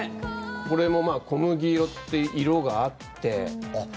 これも小麦色って色があって。